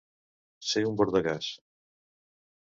Ser un bordegàs.